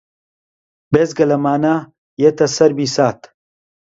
بێجگە لەمانە یێتە سەر بیسات